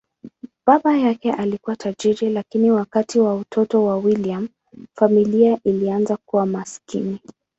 Baba yake alikuwa tajiri, lakini wakati wa utoto wa William, familia ilianza kuwa maskini.